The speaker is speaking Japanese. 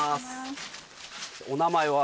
お名前は？